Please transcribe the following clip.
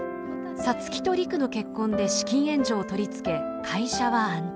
皐月と陸の結婚で資金援助を取りつけ会社は安泰。